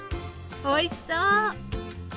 おいしそう！